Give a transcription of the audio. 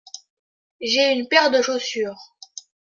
J’ai une paire de chaussures.